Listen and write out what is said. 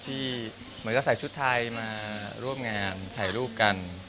ที่เหมือนกับใส่ชุดไทยมาร่วมงานถ่ายรูปกัน